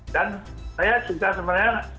dan saya juga sebenarnya